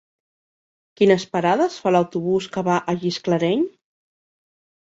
Quines parades fa l'autobús que va a Gisclareny?